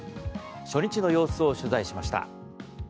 初日の様子を取材しました。